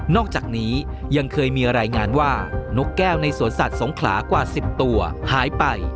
อกจากนี้ยังเคยมีรายงานว่านกแก้วในสวนสัตว์สงขลากว่า๑๐ตัวหายไป